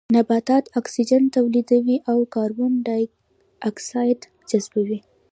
نباتات اکسيجن توليدوي او کاربن ډای اکسايد جذبوي